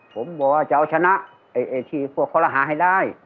ผมบอกว่าจะเอาชนะที่พวกคอรหาให้ได้